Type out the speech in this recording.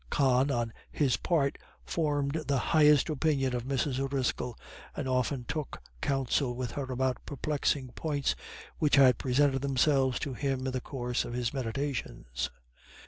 Con, on his part, formed the highest opinion of Mrs. O'Driscoll, and often took counsel with her about perplexing points which had presented themselves to him in the course of his meditations.